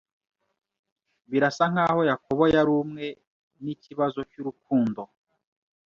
Birasa nkaho Yakobo yarumwe nikibazo cyurukundo.